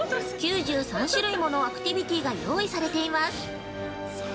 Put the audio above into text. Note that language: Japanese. ９３種類ものアクティビティが用意されています。